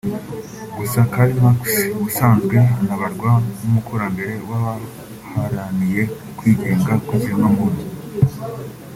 Gusa Karl Marx ubusanzwe anabarwa nk’umukurambere w’abaharaniye ukwigenga kw’ikiremwa muntu